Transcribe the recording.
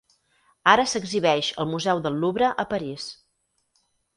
Ara s'exhibeix al museu del Louvre a París.